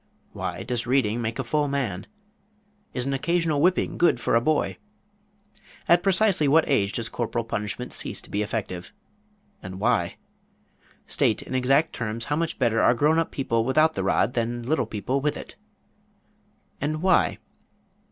Why does reading make a full man? Is an occasional whipping good for a boy? At precisely what age does corporal punishment cease to be effective? And why? State, in exact terms, how much better are grown up people without the rod, than little people with it. And why?